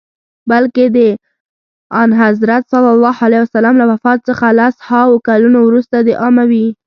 بلکه د آنحضرت ص له وفات څخه لس هاوو کلونه وروسته د اموي.